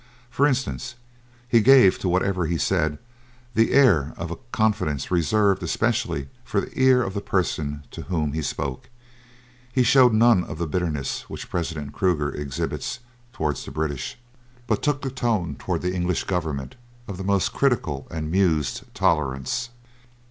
For instance, he gave to whatever he said the air of a confidence reserved especially for the ear of the person to whom he spoke. He showed none of the bitterness which President Kruger exhibits toward the British, but took the tone toward the English Government of the most critical and mused tolerance.